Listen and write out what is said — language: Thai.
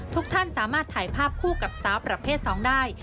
ทุกท่านสามารถถ่ายภาพคู่กับสาวประเภท๒ได้